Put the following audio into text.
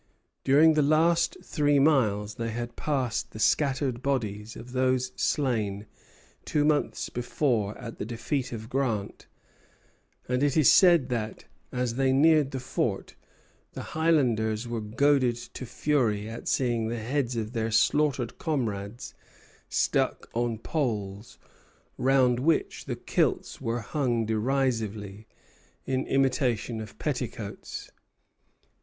During the last three miles they had passed the scattered bodies of those slain two months before at the defeat of Grant; and it is said that, as they neared the fort, the Highlanders were goaded to fury at seeing the heads of their slaughtered comrades stuck on poles, round which the kilts were hung derisively, in imitation of petticoats.